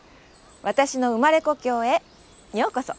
私の生まれ故郷へようこそ。